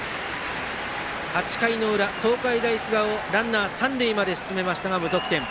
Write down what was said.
８回の裏、東海大菅生ランナーを三塁まで進めましたが無得点。